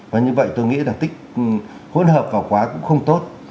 và như vậy tôi nghĩ là tích hỗn hợp vào quá cũng không tốt